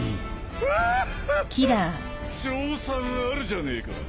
勝算あるじゃねえか。